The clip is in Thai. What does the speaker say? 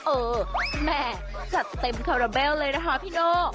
แหม่จัดเต็มคาราเบลเลยนะคะพี่โน่